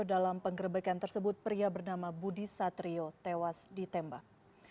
dalam penggerebekan tersebut pria bernama budi satrio tewas ditembak